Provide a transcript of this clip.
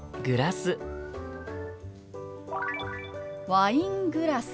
「ワイングラス」。